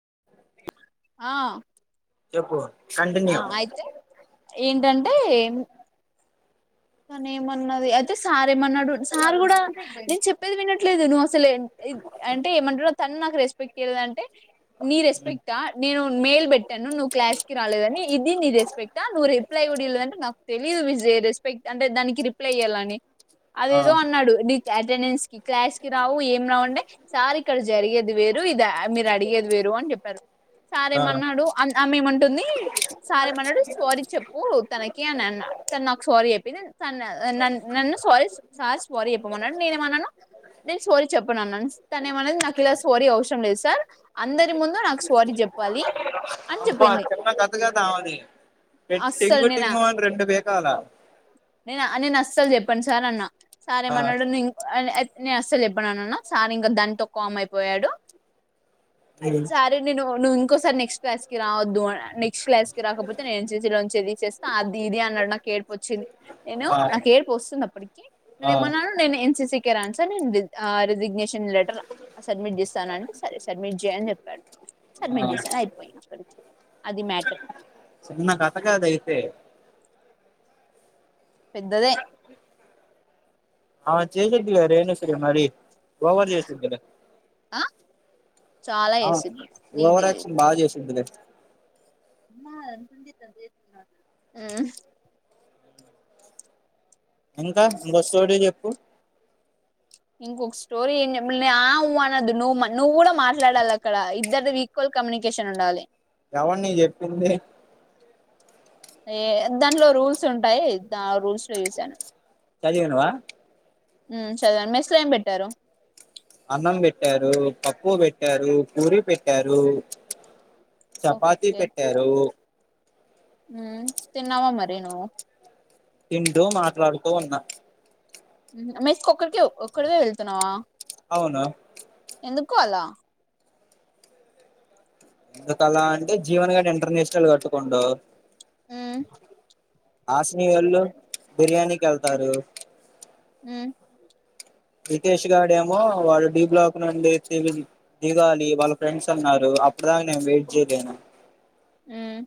[inaudible] ఆ చెప్పు ఆ కంటిన్యూ ఆయితే ఏంటం టే తనీ ఏమన్నది అయితే సార్ ఏమన్నాడు సార్ కూడా నేను చెప్పేది వినట్లేదు నువ్వు అసలు అంటే ఏమంటాడు తను నాకు రెస్పెక్ట్ ఇయదంటే నీ రెస్పెక్టా నేను మెయిల్ పెట్టాను నువ్వు క్లాస్ కి రాలేదని ఇది నీ రెస్పెక్టా నువ్వు రిప్లై కూడా ఇవ్వలేదంటే నాకు తెలీదు విజి క్ట్ అంటే దానికి రిప్లై ఈయ్యాలని ఆ అదేదో అన్నాడు డి అటెండెన్స్ కి క్లాస్ కి రావు ఏం రావంటే సార్ ఇక్కడ జరిగేది వేరు ఇది మీరు అడిగేది వేరు అని చెప్పాను ఆ సారేమన్నాడు అ ఆమెమంటుంది సారే మన్నడు సారీ చెప్పు తనకి అని అన్నాడు తను నాకు సారీ చెప్ చెప్పి త నన్ను సారీ సార్ స్వారీ చెప్పమన్న నేనుమన్నాను నేను సోరీ చెప్పను అన్నా తనే ఏమన్నా నాకు ఇలా సోరీ అవసరం లేదు సార్ అందరి ముందు నాకు స్వారీ చెప్పాలి అని అబ్బా చెప్పింది చిన్న కతుగదా అవది అస్సలు టింగు నేనా టింగు అని రెండు పీకాల నేను నేను అస్సల్ చెప్పన్ సార్ అన్న సారే ఆ మన్నడు ని నేను అస్సలు చెప్పన్నన్నాను సార్ ఇంకా దానితో కామ్ అయిపోయాడు సరే నేనును ఇంకోసారి నెక్స్ట్ క్లాస్ కి రావద్దు నెక్స్ట్ క్లాస్ కి రాకపోతే నేను ఎం సి సి లో నుంచి తీసేస్తా అది ఇది అన్నాడు నాకు ఏడ్పు వచ్చింది. నేను ఆ నాకు ఆ ఏర్పు వస్తుంది అప్పటికి నేను ఏమన్నాను నేను ఎన్సిసి ఓకే రాను సార్ నేను రిజిగ్నేషన్ లెటర్ సబ్మిట్ చేస్తాను అంటే సరే సబ్మిట్ చేయని చెప్పడు. సబ్మిట్ ఆ చేశాను అయిపోయింది అక్కడికి అది మ్యాటర్. చిన్న కథ కాదు అయితే పెద్దదే హా [unintelligible] ఏం చేశాడే మరి ఓవర్ చేసి ఉంటాడు ఆ చాలా అ చేసింది నీకు తెలియదు ఓవర్క్షన్ బాగా చేసి ఉంటది. ఉమ్ ఇంకా ఇంకో స్టోరీ చెప్ కు ఇంకొక స్టోరీ ఏం చెప్పలి ఆవ్వు అన్నద్దు నువ్వు నువ్వు కూడా మాట్లాడాలి అక్కడ ఇద్దరు ఈక్వల్ కమ్యూనికేషన్ ఉండాలి. ఎవడ్ నిక్ చెప్పింది ఎ దాంట్లో రూల్స్ ఉంటాయ్ ద రూల్స్ లో చూసాను చదివినవ ఉమ్ చదవను మెస్లు ఏం పెట్టారు? అన్నం పెట్టారు పప్పు పెట్టారు పూరీ పెట్టారు. ఓహ్ చపాతీ ఓకే పెట్టారు. ఉమ్ తిన్నావా మరి నువ్వు? తింటు మాట్లాడుతూ ఉన్నా మెస్ ఒకరికే ఒకదివే వెళ్తున్నావా? అవును ఎందుకు అలా ఎందుకలా అంటే జీవన్ గాడు ఇంటర్నేషనల్ కట్టుకోండు. ఉమ్ హాసనీ వాళ్ళు బిర్యానీకి వెళ్తారు. ఉమ్ రితేష్ గడ ఏమో వాడు డి బ్లాక్ నుండి [unintelligible] దిగాలి వాళ్ళ ఫ్రెండ్స్ అన్నారు అప్పటి దాకా నేను వెయిట్ చేయలేను. ఉమ్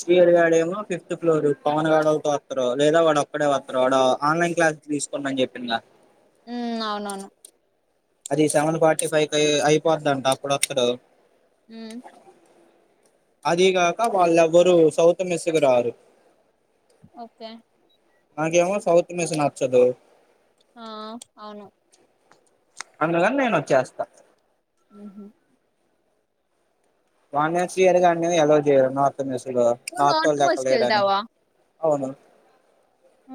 శ్రీహరి గడ ఏమో ఫిఫ్త్ ఫ్లోర్ పవన్ గడతో వస్తారు, లేదా వాడ ఒక్కడే వస్తారు వాడ ఆన్లైన్ క్లాసు తీసుకోమని చేపిందు నక్ ఉమ్ అవునవును అది సెవెన్ ఫార్టీ ఫైవ్ అయిపోతుదంట అప్పుడుొక్కడు. ఉమ్ అది కాక వాళ్ళువరు సౌత్ మెస్ కి రారు ఓకే నాకేమో సౌత్ మస్ నచ్చదు ఆ అవును అందుగాని నేను వచ్చేస్తా ఉమ్ ఉమ్ రామ్నా శ్రీహరి గది అల్లో చేయరు నా త్ మెస్సులో నువ్వు నార్త్ మెస్ నార్తోలలేక కి లేడు అని వెళ్తావా అవును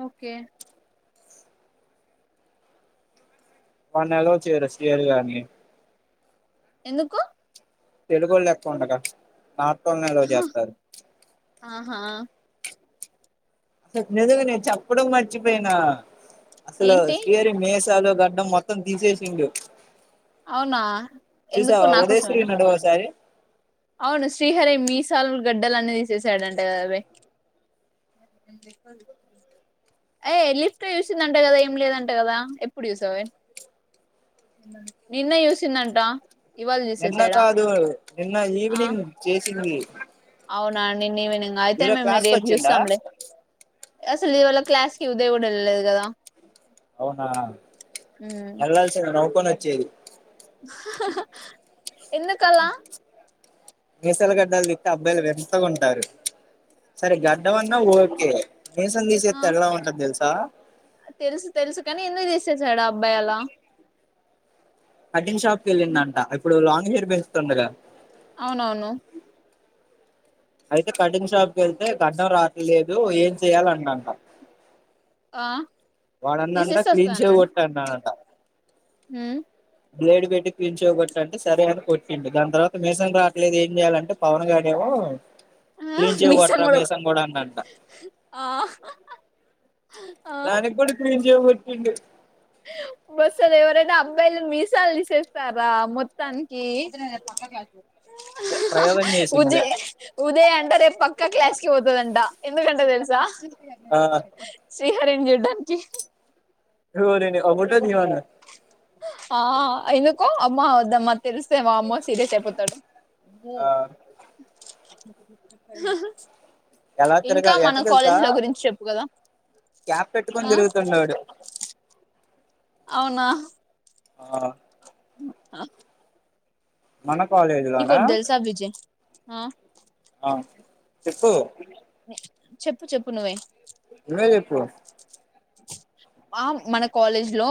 ఓకే వన్నలలో చేయర సేరుగాని ఎందుకు తెలుగుళ ఎక్క్ ఉండగా నార్ న్నాలో జత ఆహా అస నిదుగా నేను చెప్పడం మర్చిపోయినా అసలు ఏంటి స్రీ అరి మే చాలు గడ్డం మొత్తం తీసేసిండు అవునా ఎందుకు చూసావా ఉదయశ్వరి నాకోసమేనా నడు ఒకసారి అవును శ్రీహరి మీసాలు గడ్డలు అన్ని తీససాడంట కదా ఫ చూసిందంట కదా ఏం లేదంట కదా ఎప్పుడుూస నిన్న చూసిందంట ఇవాళ నిన్న చూసేసాడా కా అదు నిన్న ఈ ఆ వి చ స అవునా నిన్న వి అయితే మేమ్ కి రేపు వచ్చిండా చూస్తాం లో అసలు ఇవాళ క్లాస్ కి ఉదయం కూడా వెళ్లేదు కదా అవునా ఉమ్ ఎలాస కొ వచ్చిది ఎందుకలా మసలగడ్డలు తిట్ అబ్బాయిలు వెంతగాంటారు సరే గడ్డ అన్నా ఓకే నిసం ఆ తీసేస్త ఎలా ఉంటంది తెలుసు ఆ తెలుసు తెలుసు కాని ఎందుకు చేసేసాడు అబ్బాయి అలా కటిన్ షాప్ క వెళ్ళిందంట ఇప్పుడు లాంగ్ హయిర్ బేస్తుండగా అవునవును అయితే కటింగ్ షాప్ క వెళ్తే గడ్డంం రాట్లేదు ఏం చెయాలన్నా అంట ఆ వాడన్న అంట తీసేసి వస్తా క్లీన్ చేయ కొట్టడి అనంట హ బ్లేడ్ పెట్టి పించు కొట్టంటే సరే అని కొట్టిండి దాని తర్వాత మిసన్ రావట్లేదు ఏం చేయాలంటే పవన్ గడ ఏమో ఆ క్లీన్ మీసం చేయకట్టరా మసం కూడా అన్నంట ఆ దానికి కూడా క్లీన్ టింది బస్ అది ఎవరైనా అబ్బాయిలు మీసాలు తీసేస్తారా మొత్తానికి ప్రయోగం చేసిండులే ఉదయ్ ఉదయ అంట రేపు పక్కా క్లాస్ కి పోతుదంట ఎందుకంటే తెలుసా ఆ శ్రీహరిన్ గడానికినికి [unintelligible] ఆ ఐను కు అమ్మా ఓద్దమ్మా తెలిస్తే వామ్మో సీరియస్ అయిపోతాడు హు ఆ [unintelligible] ఎలా తిరగా ఎట్ట తెలుసా చెప్పు కదా క్యాప్ పెట్టుకొని ఆ తిరుగుతుండువాడు అవునా ఆ [unintelligible] మన కాలేజీ లోనా నీకోటి తెలుసా విజయ్ ఆ ఆ చెప్పు చెప్పు చెప్పు నువ్వే నువ్వే చెప్పు ఆ మన కాలేజ్ లో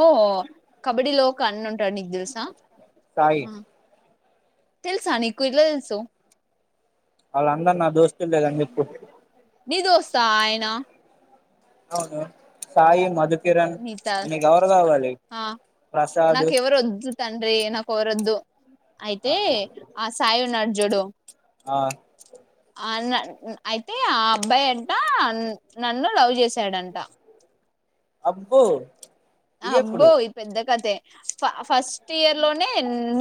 కబడ్డీ లో ఓకన్న ఉం టడు నిక్ తెలుసా సాయి తెల్సా నీకు ఎట్ల తెలుసు వాళ్ళ అందరు నా దోస్తులు లే గని చెప్పు నీ దోస్తా ఆయన అవును సాయి మధు నీత ఆ ప్రసాద్ నాకు ఎవర వద్దు తండీ నాకెవరోద్దు ఆ అయితే ఆ సాయి ఉన్నాడ్ చూడు ఆ ఆ అన్న అయితే ఆ అబ్బాయి అంట నన్ను లవ్ చేశాడంట అబ్బూ అబ్బో ఈ పెద్ద కథే [unintelligible] ఫ ఫస్ట్ ఇయర్ లోనే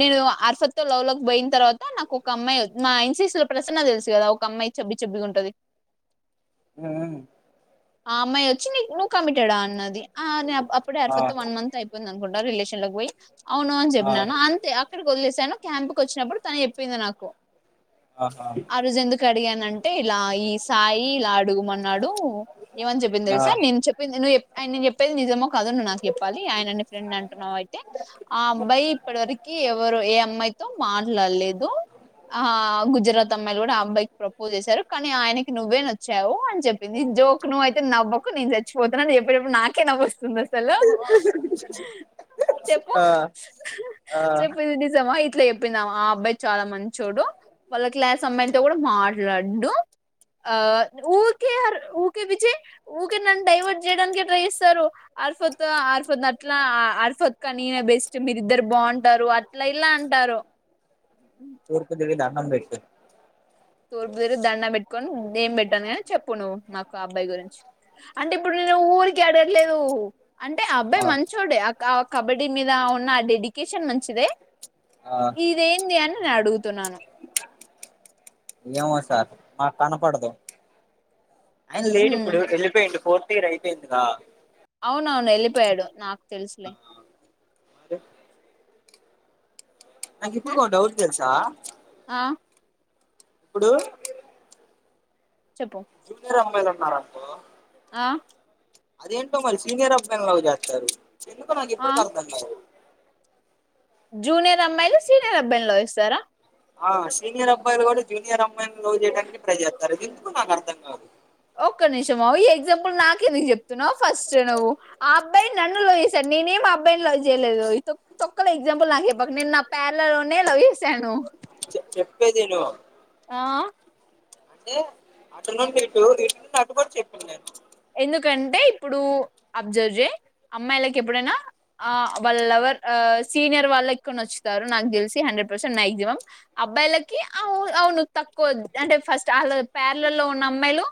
నేను అర్ఫత్తో లవ్ ల్ పోయిన తర్వాత నాకు ఒక అమ్మాయి మా ఎన్సిసి లో ప్రసన్న తెలుసు కదా ఒక అమ్మాయి చెబ్బి చబ్బీగుంటది హుహు ఆ అమ్మాయి వచ్చి నీ నువ్వు కమిటేడా అన్నది ఆ అదే ఆ అరఫత్తో వన్ మంత్ అయిపోయింది అనుకుం రిలేషన్ లోకి పోయి అవును అని ఆ చెప్పినాను అంతే అక్కడికి వదిలే సాను క్యాంప్కి వచ్చినప్పుడు తను చెప్పింది నాకు ఆహా ఆ రోజు ఎందుకు అడిగానంట అంటే ఇలా ఈ సాయి ఇలా అడుగుమన్నాడు ఏమని చెప్పింది ఆ తెలుసా నేను చెప్పింది నువ్వు నేను చెప్పేది నిజమో కాదో నువ్ నాకు చెప్పు చెప్పాలి ఆయనని ఫ్రెండ్ అంటున్నావు అయితే ఆ అబ్బాయి ఇప్పటివరకి ఎవరు ఏ అమ్మాయితో మాట్లాడలేదు ఆ గుజరాత్ అమ్మాయిలు కూడా ఆ అబ్బాయికి ప్రపోజ్ చేశారు కానీ ఆయనకి నువ్వే నచ్చావు అని చెప్పింది జోక్ నువ్ అయితే నవ్వకు నేను చచ్చిపోతున్నా అని చెప్పేటప్పుడు నాకే నవ్వు వస్తుంది అసలు చెప్పు ఆ ఆ చెప్పు ఇది నిజమా అట్ల చెప్పింది ఆమె ఆ అబ్బాయి చాలా మంచోడు వాళ్ళ క్లాస్ అమ్మాయితో కూడా మాట్లాడడు ఆ ఉరికే ఊ కే పిల్చి ఊకే నన్ను డైవర్ట్ చేయడానికే ట్రై చేస్తారు అర్ఫత్ అర్ఫత్ అట్లా అర్ఫత్ కానీ బెస్ట్ మీరిద్దరు బాగుంటారు అట్లా ఇలా అంటారు తూర్పు తిరిగి దండం పెట్టు తూర్పు తిరిగి దండం పెట్టుకొని నేమ్ పెట్టను చెప్పు నువ్వు నాకు అబ్బాయి గురించి అంటే ఇప్పుడు నేను ఊరికే అడగట్లేదు అంటే ఆ అబ్బాయి మంచోడే కా కబడ్డీ మీద ఉన్న ఆ డెడికేషన్ మంచిదే ఆ ఇదేంది అని నేను అడుగుతున్నాను ఏమో సార్ మాకి కనపడదు ఆయన లేడు ఇప్పుడు హ్మ్ వెళ్ళిపోయిండు ఫోర్ ర్త్ ఇయర్ అయిపోయిందిగా వును వెళ్ళిపోయాడు నాకు తెలుసులే అ నాకు హ్మ్ ఇప్పుడుకో డౌట్ తెలుసా ఆ ఆ ఇప్పుడు చెప్పు జూనియర్ అమ్మాయిల న్నారుకో ఆ అదేంటో మరి సినియర్ అబ్బాయిలని లవ్ చేస్తారు ఎందుకో నాకు ఆ ఇప్పుడుకి అర్థం కాదు జూనియర్ అమ్మాయిలు సీనియర్ అబ్బాయిలను లవ్ చేస్తారా ఆ సీనియర్ అబ్బాయిలు కూడా జూనియర్ అమ్బయిలు లవ్ చేయడానికి ట్రై చేస్తారు ఎందుకొ నాకు అర్థం కాదు ఒక్క నిమిషం ఈ ఎగ్జాంపుల్ నాకెందుకు చెప్తున్నావ్ ఫస్ట్ నువ్వు ఆ అబ్బాయి నన్ను లవ్ చేసాడు నేనేమి అబ్బాయిని ల చేయలేదు ఇ తొక్క తొక్కల ఎగ్జాంపుల్ నాకు చెప్పకు నేను నా ప్యార్లల్ లోనే లవ్ జేశాను చె చెప్పేదిను ఆ అంటే అటు నుండి ఇటు ఇటు నుండి అటు కూడా చెప్పింది నేను ఎందుకంటే ఇప్పుడు అబ్జర్వ్ చేయ్ అమ్మాయిలకి ఎప్పుడైనా వాళ్ళు లవర్ సీనియర్ వాళ్ళ ఎక్కువ నచ్చుతారు నాకు తెలిసి హండ్రెడ్ పర్సెంట్ మ్యాగ్జిమమం అబ్బాయిలకి అవు అవును తక్కువ అంటే ఫస్ట్ వాళ ప్యార్లల్లో ఉన్న అమ్మాయిలు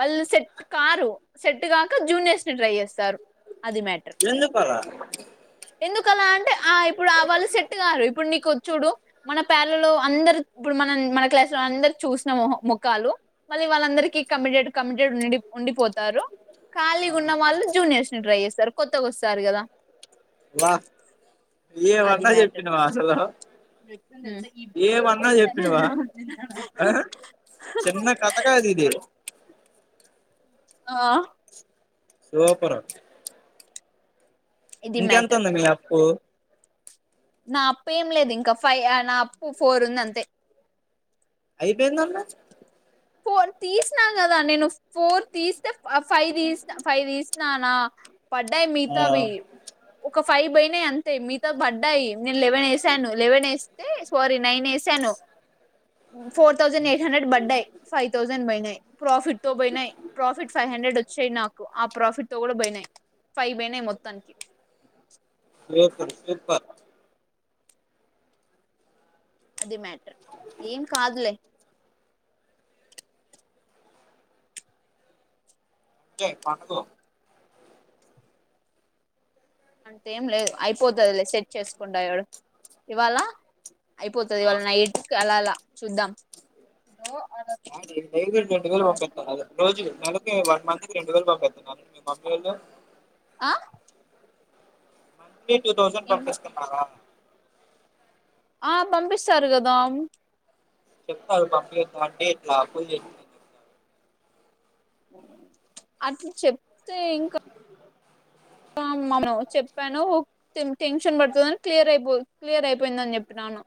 వాళ్ళు సెట్ కారు సెట్ కాక జూనియర్స్ ని ట్రై చేస్తారు అది మ్యాటర్ ఎందుకు అలా కాలంటే ఆ ఇప్పుడు ఆ వాళ్ళు సెట్ గారు ఇప్పుడు నీకు చూడు మన పేర్లలో అందరు ఇప్పుడు మనం మన క్లాసు లో అందరు చూసిన మోహ ముఖాలు మళ్ళీ వాళ్ళందరికీ కమిటెడ్ కమిటెడ్ ఉండి ఉండిపొ తారు ఖాళీగా ఉన్న వాళ్ళు జూనియర్స్ ని ట్రై చేస్తారు కొత్తగా వస్తారు కదా వా అది ఏమన్నా మ్యాటర్ చెప్పినవా అసలు ఏమన్నా చెప్పినవా ఆ చిన్న కథ కాది ఇది ఆ సూపరు ఇది ఇంకెంత మ్యాటర్ ఉంది మీ అప్పు నా అప్పు ఏం లేదు ఇంకా ఫైవ్ నా అప్పు ఫోర్ ఉంది అంతే అయిపోయిందన్నవ్ ఫోర్ తీసిన కదా నేను ఫోర్ తీస్తే ఫైవ్ తీస ఫైవ్ తీసినాన పడ్డాయి ఆ మిగతావి ఒక ఫైవ్ బై అంతే మీతో బడ్ నేను లెవెన్ ఏసాను లెవెన్ ఏస్ ఏ స్వారీ నైన్ ఏసాను ఫోర్ థౌసండ్ ఎయిట్ హండ్రెడ్ పడ్డాయ్ జన్ పోయినయ్ ప్రాఫిట్ తో పోయినాయ్ ప్రాఫిట్ ఫైవ్ హండ్రెడ్ వచ్ చెయ్ నాకు ఆ ప్రాఫిట్ తో కూడా పోయినాయి ఫైవ్ పోయినాయి మొత్తానికి సూపర్ సూపర్ అది మ్యాటర్ ఏం కాదులే కే పనుకో అంతేం లేదు అయిపోతది లే సెట్ చేసుకుండా సూడు ఇవాళ అయిపోతది ఇవాళ నైట్ కి అలా అలా చూద్దాం అ రెం వేల బత రోజు నలకి వన్ మంత్ రెండు వేల మీ మామ్మీళ్ళ ఆ మంత్లీ టూ థౌసండ్ పంపిస్తున్నారా ఆ పంపిస్తారు కదా చెప్తారు బ అంటే ఎట్లా అప్పు చె అట్లా చెప్తే ఇంకా మను చెప్పాను టెన్షన్ పడుతుందని క్లియర్ అయిపో క్లియర్ అయిపోయిందని చెప్పను చెన్నాను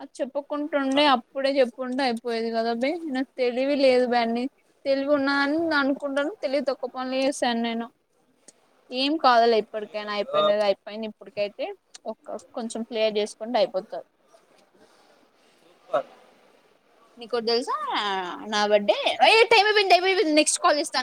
అది చెప్పుకుంటుండే అప్పుడే చెప్పుకుంటూ అయిపోది కదా భాయి నాకు తెలివి లేదు బీ తెలివి ఉన్నా అని అనుకుంటాను తెలియదు తక్కువ పనులు చేశాను నేను ఏం కాదులే చెప్తారు పెడుయిపోయి అయియి అయితే ఒక కొంచెం క్లియర్ చేసుకుంటే అయిపోతారు అ నీకు తెలుసా నా బర్త్డే టైం అపోంది టైమ్ అపోంది నెక్స్ట్ కాల్ ఇస్తా